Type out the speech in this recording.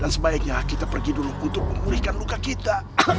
sebaiknya kita pergi dulu untuk memulihkan luka kita